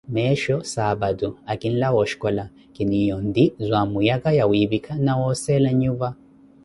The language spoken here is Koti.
Meesho saapatu, akinlawa oshicola, kiniiya onti, zwaamuyaka ya wiipika na oseela nnyupa.